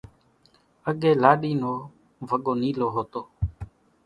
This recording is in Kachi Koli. اڳيَ لاڏِي نو وڳو نيلو هوتو۔